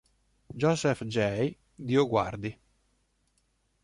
Joseph J. DioGuardi.